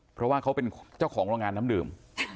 เพราะว่าเขาเป็นเจ้าของโรงงานน้ำดื่ม